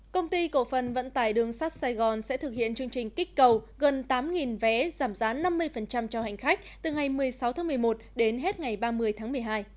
công ty cổ phần vận tải đường sắt sài gòn sẽ thực hiện chương trình kích cầu gần tám vé giảm giá năm mươi cho hành khách từ ngày một mươi sáu tháng một mươi một đến hết ngày ba mươi tháng một mươi hai